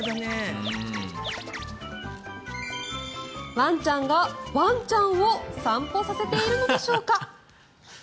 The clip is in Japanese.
ワンちゃんがワンちゃんを散歩させているのでしょうか。